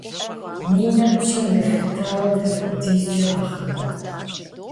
Миныр пщӏым елъытауэ дапхуэдизкӏэ нэхъыбэ?